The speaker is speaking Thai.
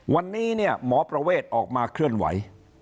วันนี้เนี่ยหมอประเวทออกมาเคลื่อนไหว